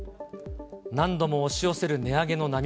何度も押し寄せる値上げの波。